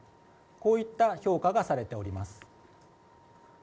こういった評価がされております。